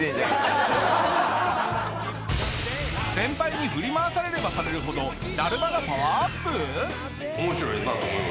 先輩に振り回されればされるほどだるまがパワーアップ！？